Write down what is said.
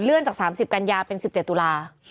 เลื่อนจาก๓๐กันยาเป็น๑๗ตุลาคม